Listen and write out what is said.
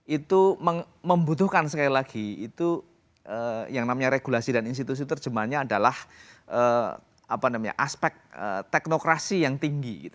itu membutuhkan sekali lagi itu yang namanya regulasi dan institusi terjemahnya adalah aspek teknokrasi yang tinggi